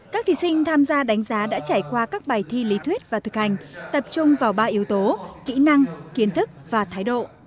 các thí sinh tham gia đánh giá đã trải qua các bài thi lý thuyết và thực hành tập trung vào ba yếu tố kỹ năng kiến thức và thái độ